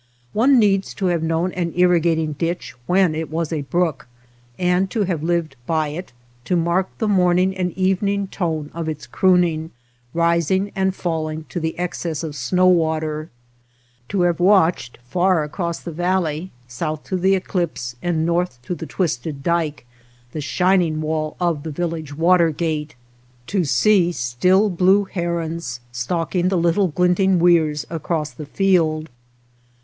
One needs to have known an irri gating ditch when it was a brook, and to have lived by it, to mark the morning and evening tone of its crooning, rising and falling to the excess of snow water; to have watched far across the valley, south to the Eclipse and north to the Twisted Dyke, 22 tj OTHER WATER BORDERS the shining wall of the village water gate ; to see still blue herons stalking the little glinting weirs across the field.